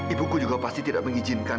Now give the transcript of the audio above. ibuku juga pasti tidak mengizinkan